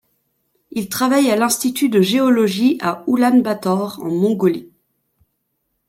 Il travaille à l'Institut de géologie à Oulan-Bator, en Mongolie.